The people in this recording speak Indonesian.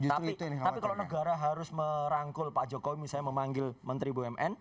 tapi kalau negara harus merangkul pak jokowi misalnya memanggil menteri bumn